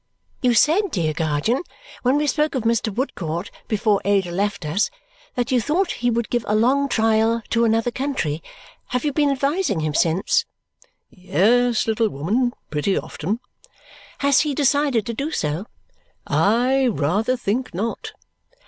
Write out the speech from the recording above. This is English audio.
"You said, dear guardian, when we spoke of Mr. Woodcourt before Ada left us, that you thought he would give a long trial to another country. Have you been advising him since?" "Yes, little woman, pretty often." "Has he decided to do so?" "I rather think not."